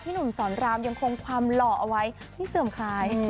หนุ่มสอนรามยังคงความหล่อเอาไว้ที่เสื่อมคลาย